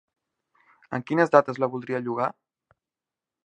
En quines dates la voldria llogar?